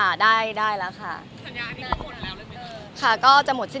การตกลงกลางขึ้นใจที่เรามองไปทางไหน